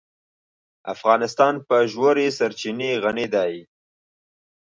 افغانستان په ژورې سرچینې غني دی.